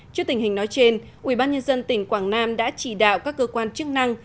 trước tình hình nói trên ubnd tỉnh quảng nam đã chỉ đạo các cơ quan chức năng